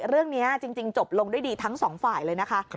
เรื่องนี้จริงจบลงด้วยดีทั้งสองฝ่ายเลยนะคะ